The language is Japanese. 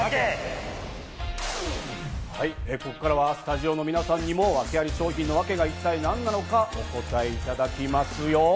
スタジオの皆さんにもワケアリ商品のワケが一体何なのか、お答えいただきますよ。